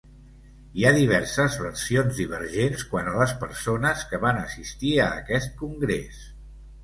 Hi ha diverses versions divergents quant a les persones que van assistir a aquest congrés.